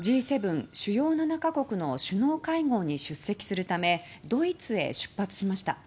主要７か国の首脳会合に出席するためドイツへ出発しました。